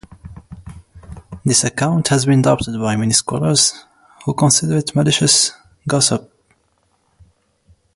This account has been doubted by many scholars, who consider it "malicious gossip".